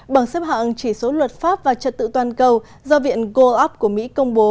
bằng xếp hạng chỉ số luật pháp và trật tự toàn cầu do viện goup của mỹ công bố